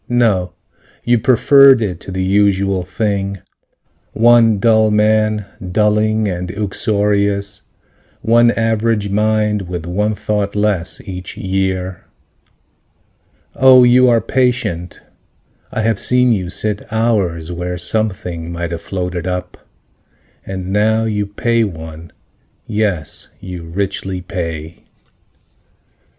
No. You preferred it to the usual thing: One dull man, dulling and uxorious, One average mind with one thought less, each year. Oh, you are patient, I have seen you sit Hours, where something might have floated up. And now you pay one. Yes, you richly pay.